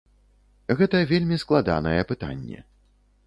Гэта вельмі складанае пытанне.